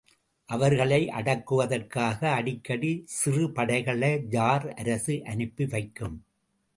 அவர்களை அடக்குவதற்காக அடிக்கடி சிறுபடைகளை ஜார் அரசு அனுப்பி வைக்கும்.